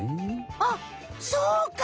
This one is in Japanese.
あっそうか！